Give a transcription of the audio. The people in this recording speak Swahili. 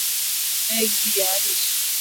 Ugonjwa wa kimeta umeenea maeneo mengi ya nchi